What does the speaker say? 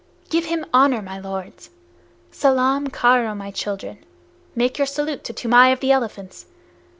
Give him honor, my lords! Salaam karo, my children. Make your salute to Toomai of the Elephants!